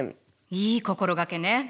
いい心掛けね。